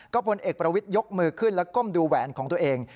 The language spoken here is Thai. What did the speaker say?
พลเอกประวิทยกมือขึ้นและก้มดูแหวนของตัวเอง